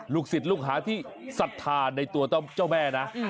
ศิษย์ลูกหาที่ศรัทธาในตัวเจ้าแม่นะ